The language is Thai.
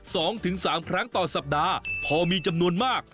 สองถึงสามครั้งต่อสัปดาห์พอมีจำนวนมาก